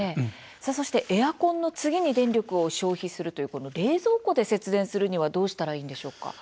さあ、そしてエアコンの次に電力を消費するというこの冷蔵庫で節電するにはどうしたらいいんでしょうか。